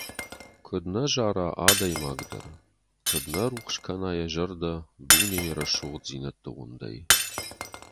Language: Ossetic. Куыд нӕ зара адӕймаг дӕр, куыд нӕ рухс кӕна йӕ зӕрдӕ дунейы рӕсугъддзинӕдты уындӕй!